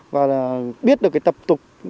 và biết được tập tục